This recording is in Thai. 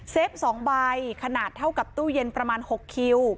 ๒ใบขนาดเท่ากับตู้เย็นประมาณ๖คิว